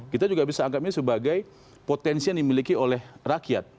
kita juga bisa anggapnya sebagai potensi yang dimiliki oleh rakyat